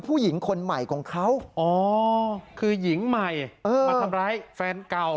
เงินที่ใหม่มาทำร้ายแฟนเก่า